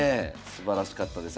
すばらしかったです。